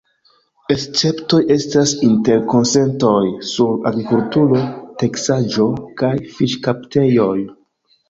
Esceptoj estas interkonsentoj sur agrikulturo, teksaĵo kaj fiŝkaptejoj.